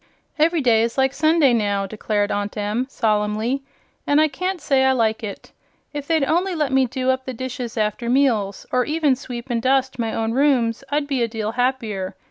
"Ev'ry day is like Sunday, now," declared Aunt Em, solemnly, "and I can't say I like it. If they'd only let me do up the dishes after meals, or even sweep an' dust my own rooms, I'd be a deal happier.